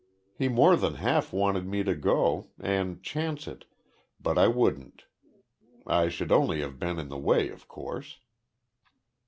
He more than half wanted me to go and chance it, but I wouldn't. I should only have been in the way, of course."